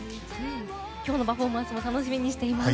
今日のパフォーマンスも楽しみにしています。